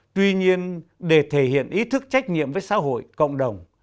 tuy nhiên để thể hiện ý thức trách nhiệm với xã hội cộng đồng